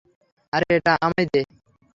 আরে এটা আমায় দে।